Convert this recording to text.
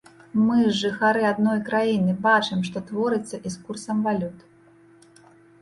Мы ж жыхары адной краіны, бачым, што творыцца і з курсам валют.